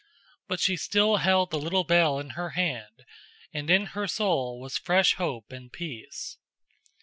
But she still held the little bell in her hand, and in her soul was fresh hope and peace.